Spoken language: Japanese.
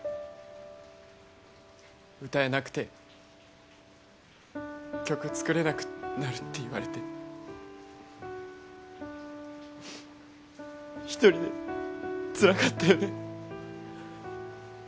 歌えなくて曲作れなくなるって言われて一人でつらかったよね